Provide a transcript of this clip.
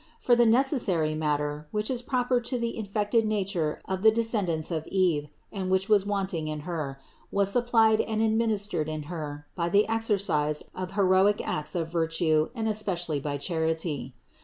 For the necessary matter, which is proper to the infected nature of the descend ants of Eve and which was wanting in Her, was sup plied and administered in Her by the exercise of heroic acts of virtue and especially by charity.